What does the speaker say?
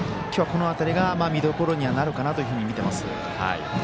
きょうはこの辺りが見どころになるかなというふうに見ています。